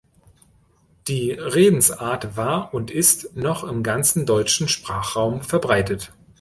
Die Redensart war und ist noch im ganzen deutschen Sprachraum verbreitet.